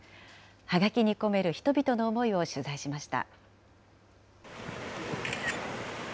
はがきに込める人々の思いを取材しました。